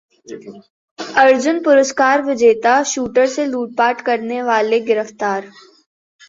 अर्जुन पुरस्कार विजेता शूटर से लूटपाट करने वाले गिरफ्तार